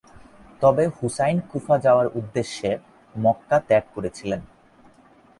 তবে Hussain Kufa যাওয়ার উদ্দেশ্যে মক্কা ত্যাগ করেছিলেন।